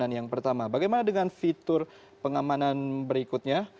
dan yang pertama bagaimana dengan fitur pengamanan berikutnya